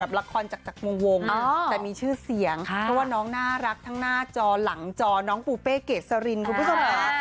ละครจากวงแต่มีชื่อเสียงเพราะว่าน้องน่ารักทั้งหน้าจอหลังจอน้องปูเป้เกษรินคุณผู้ชมค่ะ